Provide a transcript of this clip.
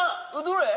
どれ？